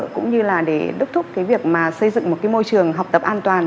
cũng như là để đúc thúc cái việc mà xây dựng một môi trường học tập an toàn